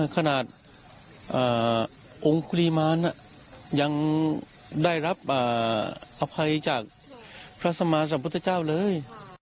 ขนาดองค์กุลีมารยังได้รับอภัยจากพระสมาสัมพุทธเจ้าเลย